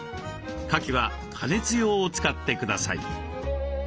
かきは加熱用を使ってください。